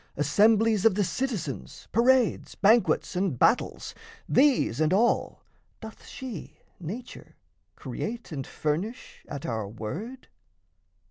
Assemblies of the citizens, parades, Banquets, and battles, these and all doth she, Nature, create and furnish at our word?